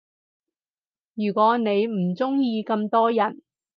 如果你唔鐘意咁多人